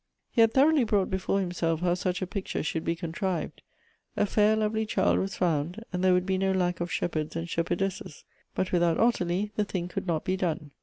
He had thoroughly brought before himself how such a picture should be contrived. A fair, lovely child was found, and there would be no lack of shepherds and shep erdesses. But without Ottilie the thing could not be done.